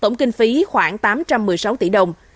tổng kinh phí khoảng tám trăm một mươi sáu tỷ đồng